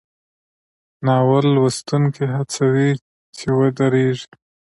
ناول لوستونکی هڅوي چې ودریږي.